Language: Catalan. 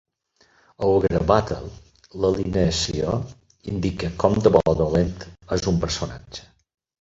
A "Ogre Battle" l'alineació indica com de bo o dolent és un personatge.